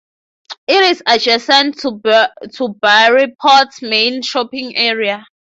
It is adjacent to Burry Port's main shopping area.